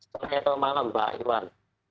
selamat malam pak iwan